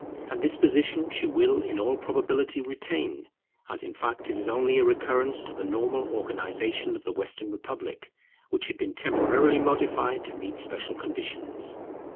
And this position she will in all probability retain, as in fact it is only a recurrence to the normal organization of the Western Republic, which had been temporarily modified to meet special conditions.